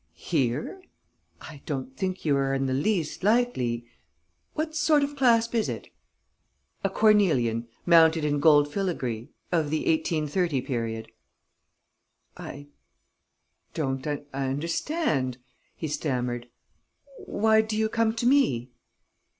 "Here?... I don't think you are in the least likely.... What sort of clasp is it?..." "A cornelian, mounted in gold filigree ... of the 1830 period." "I don't understand," he stammered. "Why do you come to me?"